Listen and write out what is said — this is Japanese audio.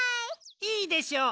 いいでしょう。